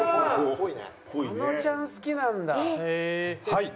はい！